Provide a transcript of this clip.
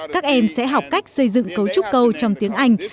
các em sẽ học cách xây dựng cấu trúc câu trong tiếng anh